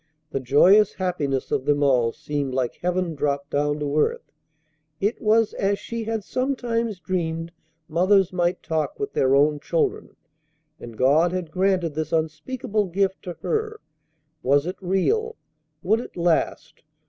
The joyous happiness of them all seemed like heaven dropped down to earth. It was as she had sometimes dreamed mothers might talk with their own children. And God had granted this unspeakable gift to her! Was it real? Would it last?